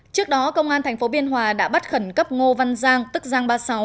trước đó công an tp biên hòa đã bắt khẩn cấp ngô văn giang tức giang ba mươi sáu